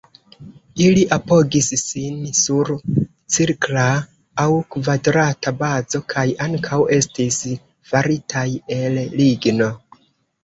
Ili apogis sin sur cirkla aŭ kvadrata bazo, kaj ankaŭ estis faritaj el ligno.